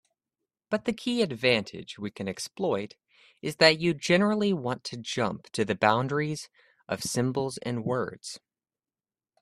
But the key advantage we can exploit is that you generally want to jump to the boundaries of symbols and words.